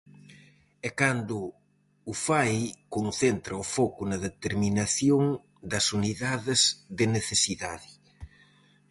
E cando o fai concentra o foco na determinación das unidades de necesidade.